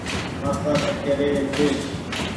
مآسآ ڪٺي روي ڇي۔